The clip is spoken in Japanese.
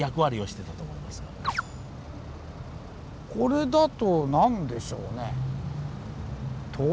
これだと何でしょうね。